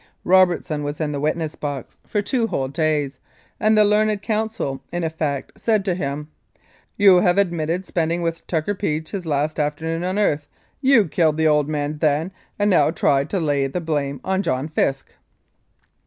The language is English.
Robertson was in the witness box for two whole days, and the learned counsel in effect said to him :" You have admitted spending with Tucker Peach his last afternoon on earth you killed the old man then and now try to lay the blame on John Fisk."